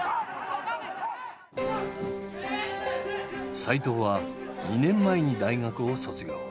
齋藤は２年前に大学を卒業。